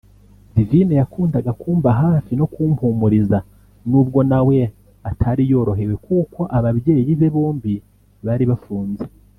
Divine yakundaga kumba hafi no kumpumuriza n’ubwo nawe atari yorohewe kuko ababyeyi be bombi bari bafunze